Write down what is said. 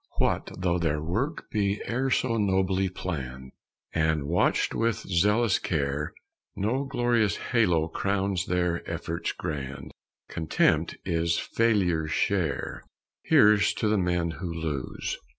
What though their work be e'er so nobly planned, And watched with zealous care, No glorious halo crowns their efforts grand, Contempt is failure's share. Here's to the men who lose!